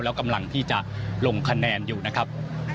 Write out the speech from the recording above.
แล้วกำลังที่จะลงคะแนนอยู่นะครับ